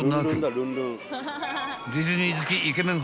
［ディズニー好きイケメン